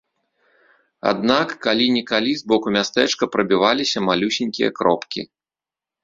Аднак калі-нікалі з боку мястэчка прабіваліся малюсенькія кропкі.